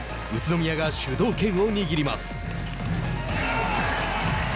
宇都宮が主導権を握ります。